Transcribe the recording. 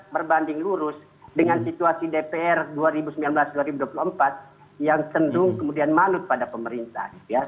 berbanding lurus dengan situasi dpr dua ribu sembilan belas dua ribu dua puluh empat yang sendung kemudian malut pada pemerintah